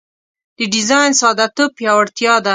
د ډیزاین ساده توب پیاوړتیا ده.